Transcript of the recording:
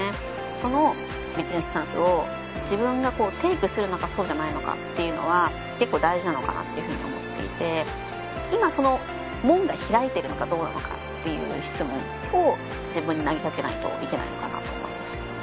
そのビジネスチャンスを自分がこうテイクするのかそうじゃないのかっていうのはけっこう大事なのかなっていうふうに思っていて今その門が開いているのかどうなのかっていう質問を自分に投げかけないといけないのかなと思います